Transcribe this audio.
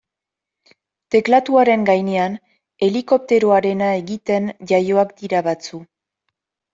Teklatuaren gainean helikopteroarena egiten jaioak dira batzuk.